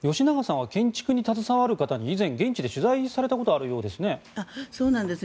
吉永さんは以前、現地で取材されたことがあるようですね。